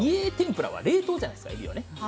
家の天ぷらは冷凍えびじゃないですか。